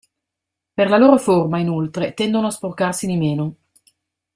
Per la loro forma, inoltre, tendono a sporcarsi di meno.